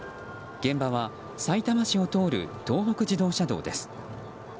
現場はさいたま市を通る東北自動車道です。